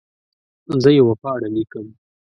زه یوه پاڼه لیکم.